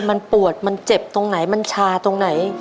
มันปวดมันเจ็บตรงไหนมันชาตรงไหน